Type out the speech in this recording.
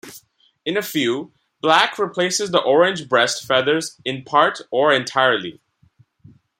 In a few, black replaces the orange breast feathers in part or entirely.